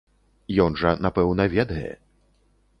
Ён жа, напэўна, ведае.